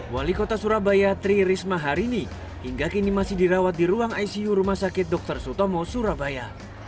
wali kota surabaya tri risma hari ini hingga kini masih dirawat di ruang icu rumah sakit dr sutomo surabaya